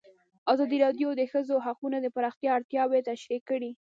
ازادي راډیو د د ښځو حقونه د پراختیا اړتیاوې تشریح کړي.